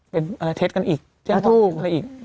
เป็นเท็จกันอีกเรื่องถูกอะไรอีก